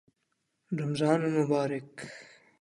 رمضان المبارک